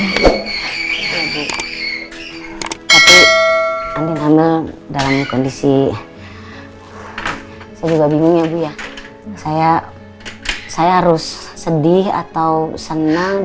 iya bu tapi andin hamil dalam kondisi saya juga bingung ya bu ya saya harus sedih atau senang